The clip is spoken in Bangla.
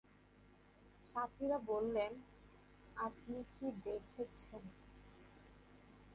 সাথীরা বললেন, আপনি কি দেখেছেন?